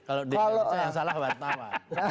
kalau di indonesia yang salah wartawan